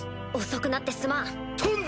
遅くなってすまん。